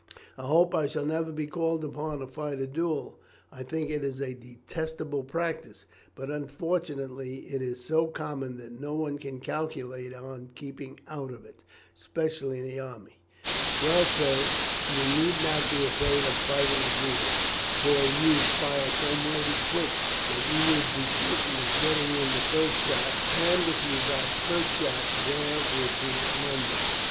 I hope I shall never be called upon to fight a duel. I think it is a detestable practice; but unfortunately it is so common that no one can calculate on keeping out of it especially in the army." "Well, sir, you need not be afraid of fighting a duel, for you fire so mighty quick that you would be certain of getting in the first shot, and if you got first shot there would be an end of it."